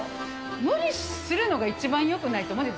無理するのが一番よくないと思うんです。